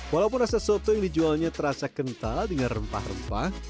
walaupun rasa soto yang dijualnya terasa kental dengan rempah rempah